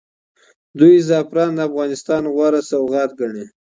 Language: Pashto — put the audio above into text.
دوی زعفران د افغانستان غوره سوغات ګڼي.